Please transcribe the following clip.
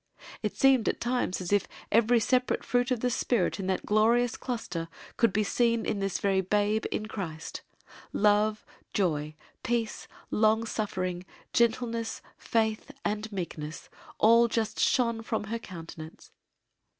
It seemed at times as if every separate fruit of the Spirit in that glorious cluster could be seen in this very babe in Christ. Love, joy, peace, long suffering, gentleness, faith, meekness, all just shone from her countenance.